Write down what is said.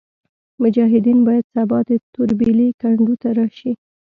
مجاهدین باید سبا د توربېلې کنډو ته راشي.